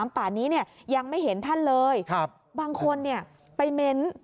ป่านนี้เนี่ยยังไม่เห็นท่านเลยบางคนเนี่ยไปเม้นต์